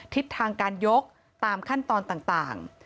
ทิศทางการยกตามขั้นตอนต่าง